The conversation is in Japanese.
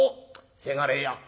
せがれや」。